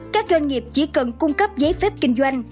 các doanh nghiệp chỉ cần cung cấp giấy phép kinh doanh